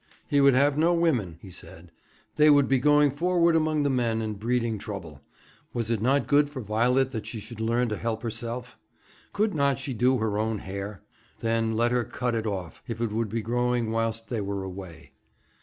He would have no women, he said; they would be going forward among the men, and breeding trouble. Was it not good for Violet that she should learn to help herself? Could not she do her own hair? Then let her cut it off; it would be growing whilst they were away.